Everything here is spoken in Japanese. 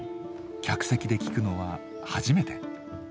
客席で聴くのは初めて。